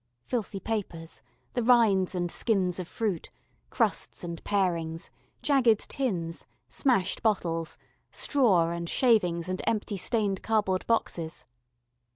Filthy papers, the rinds and skins of fruit, crusts and parings, jagged tins, smashed bottles, straw and shavings and empty stained cardboard boxes.